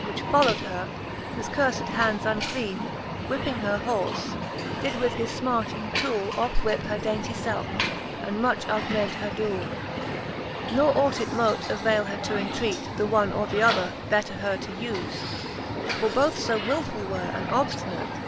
Which foUow'd her, with curfed hands uncleane Whipping her horfe, did with his fmarting toole Oft whip her dainty (elfe, and much augment her doole, XL. Ne ought it mote availe her to entreat The one or th' other, better her to ufe : For both fo wilfuU were and obftinate.